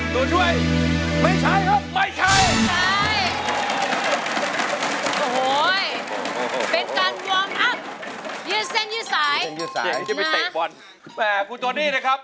ตัวช่วยไม่ใช้ครับ